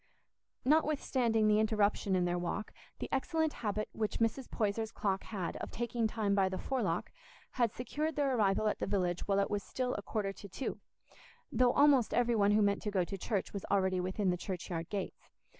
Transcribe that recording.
Notwithstanding the interruption in their walk, the excellent habit which Mrs. Poyser's clock had of taking time by the forelock had secured their arrival at the village while it was still a quarter to two, though almost every one who meant to go to church was already within the churchyard gates.